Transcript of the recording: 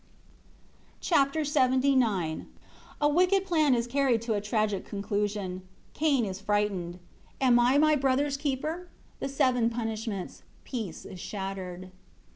Chapter LXXIX A wicked plan is carried to a tragic conclusion. Cain is frightened. "Am I my brother's keeper?" The seven punishments. Peace is shattered.